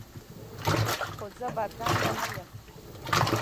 خو زه بدرنګه نه یم